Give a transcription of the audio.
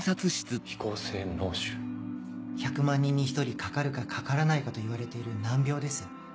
１００万人に１人かかるかかからないかといわれている難病です。